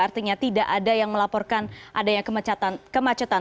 artinya tidak ada yang melaporkan adanya kemacetan